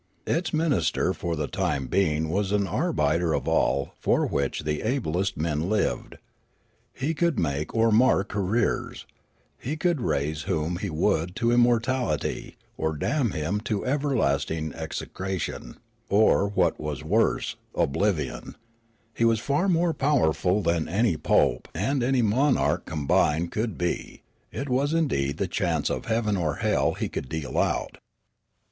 Its minister for the time being was arbiter of all for which the ablest men lived ; he could make or mar careers ; he could raise whom he would to immortality, or damn him to everlasting execration, or, what was worse, oblivion ; he was far more powerful than any pope and any The Bureau of Fame loi monarch combined could be ; it was indeed the chance of heaven or hell he could deal out.